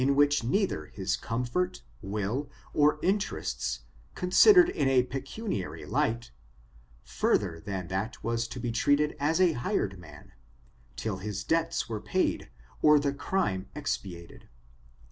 which neither his comfort, will, or interests, considered in a pecuniar]/ light, further than that was to be treated as a hired man, till his debts were paid or the crime expiated.